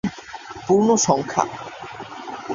পূর্ণ সংখ্যা